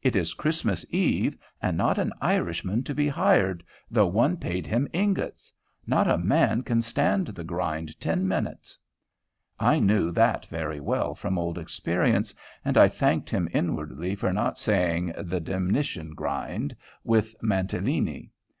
"It is Christmas eve, and not an Irishman to be hired, though one paid him ingots. Not a man can stand the grind ten minutes." I knew that very well from old experience, and I thanked him inwardly for not saying "the demnition grind," with Mantilini.